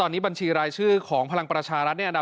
อันนี้จะต้องจับเบอร์เพื่อที่จะแข่งกันแล้วคุณละครับ